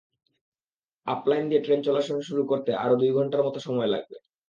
Upline দিয়ে train চলাচল শুরু করতে আরও দুই ঘণ্টার মতো সময় লাগবে।